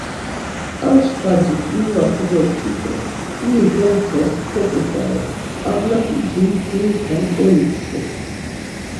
Ar şvacis inuva kododgitu, iri gomtes koǩubaru, avlap̌ici mtvirite oipşu.